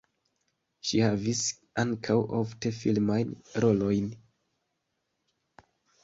Ŝi havis ankaŭ ofte filmajn rolojn.